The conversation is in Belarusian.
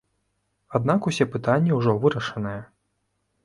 Аднак усе пытанні ўжо вырашаныя.